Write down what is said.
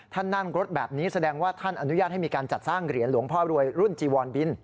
นั่งรถแบบนี้แสดงว่าท่านอนุญาตให้มีการจัดสร้างเหรียญหลวงพ่อรวยรุ่นจีวอนบิน